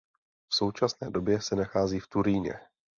V současné době se nachází v Turíně.